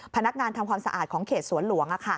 พนักงานทำความสะอาดของเขตสวนหลวง